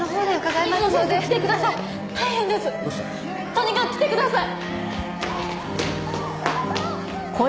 とにかく来てください！